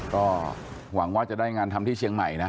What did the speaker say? ก็หวังว่าจะได้งานทำที่เชียงใหม่นะ